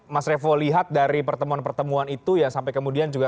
mas revo lihat dari pertemuan pertemuan itu ya sampai kemudian juga